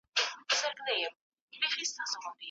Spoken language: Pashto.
کارګران د رخصتۍ لپاره لیږل سوي دي.